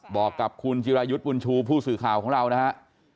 บอกกับคุณจิรายุทธ์บุญชูผู้สื่อข่าวของเรานะฮะ